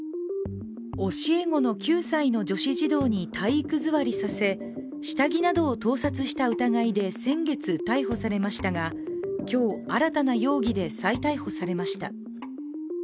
教え子の９歳の女子児童に体育座りさせ下着などを盗撮した疑いで先月逮捕されましたが、今日、新たな容疑で再逮捕されました。